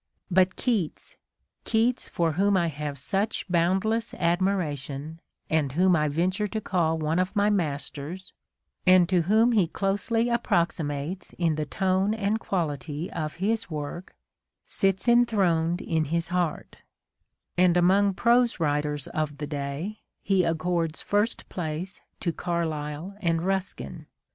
But Keats, "Keats for whom I have such boundless admiration, and whom I venture to call one of my masters," and to whom he closely approximates in the tone and quality of his work,^ — sits enthroned in his heart : and among prose writers of the day he accords first place to Garlyle and Ruskin.